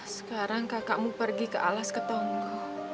sekarang kakakmu pergi ke alas ketonggu